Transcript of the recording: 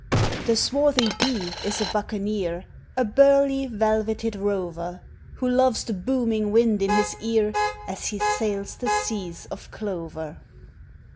The swarthy bee is a buccaneer, A burly velveted rover, W T ho loves the booming wind in his ear As he sails (he seas of clover.